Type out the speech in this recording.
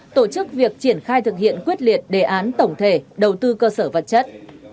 tổ chức việc triển khai thực hiện quyết liệt đề án tổng thể đầu tư cơ sở vật chất